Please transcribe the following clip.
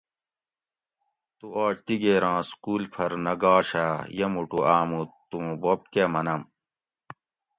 تو آج دِگیراں سکول پھر نہ گاشا؟ یہ موٹو آمو توں بوب کہ منم